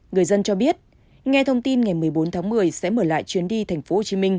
người dân cho biết nghe thông tin ngày một mươi bốn tháng một mươi sẽ mở lại chuyến đi tp hcm